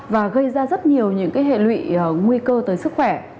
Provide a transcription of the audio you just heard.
và gây ra rất nhiều những hệ lụy nguy cơ tới sức khỏe